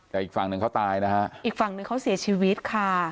แต่อีกฝั่งหนึ่งเขาตายนะฮะอีกฝั่งหนึ่งเขาเสียชีวิตค่ะ